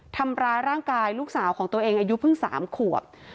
ทำร้ายร่างกายลูกสาวของตัวเองอายุเพิ่ง๓ขวบ